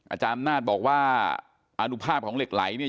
อาจารย์อำนาจบอกว่าอนุภาพของเหล็กไหลเนี่ย